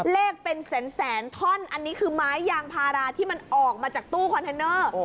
เลขเป็นแสนท่อนอันนี้คือไม้ยางพาราที่มันออกมาจากตู้คอนเทนเนอร์